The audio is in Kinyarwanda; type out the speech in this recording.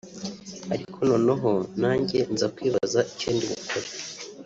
ariko noneho nanjye nza kwibaza icyo ndi gukora